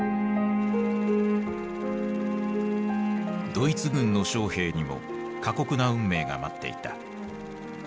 ドイツ軍の将兵にも過酷な運命が待っていた。